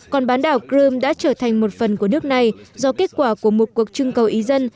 còn bán đảo crimea đã trở thành một phần của nước này do kết quả của một cuộc trưng cầu ý dân